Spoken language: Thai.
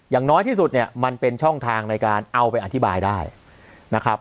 อย่างน้อยที่สุดเนี่ยมันเป็นช่องทางในการเอาไปอธิบายได้นะครับ